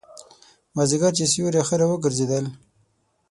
مازیګر چې سیوري ښه را وګرځېدل.